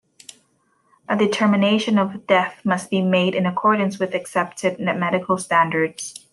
A determination of death must be made in accordance with accepted medical standards.